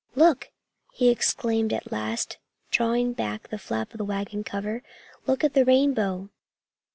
"Look!" he exclaimed at last, drawing back the flap of the wagon cover. "Look at the rainbow!"